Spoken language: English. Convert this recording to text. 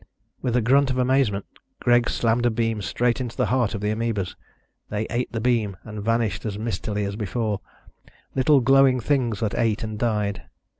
With a grunt of amazement, Greg slammed a beam straight into the heart of the amebas. They ate the beam and vanished as mistily as before, little glowing things that ate and died.